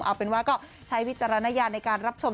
เอาเป็นว่าก็ใช้วิจารณญาณในการรับชม